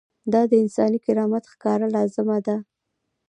دا د انساني کرامت ښکاره لازمه ده.